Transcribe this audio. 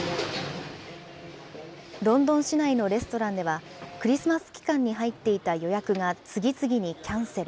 ロンドン市内のレストランでは、クリスマス期間に入っていた予約が次々にキャンセル。